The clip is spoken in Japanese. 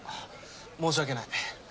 申し訳ない。